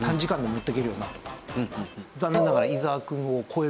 残念ながら。